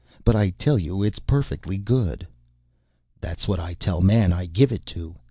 "But I tell you it is perfectly good." "That's what I tell man I give it to.